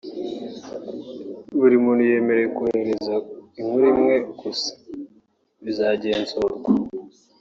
Buri muntu yemerewe kohereza inkuru imwe gusa (bizagenzurwa)